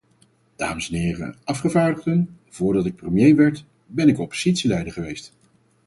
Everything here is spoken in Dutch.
Dames en heren afgevaardigden, voordat ik premier werd, ben ik oppositieleider geweest.